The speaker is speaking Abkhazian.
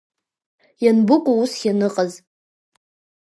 Ианбыкәу ас ианыҟаз…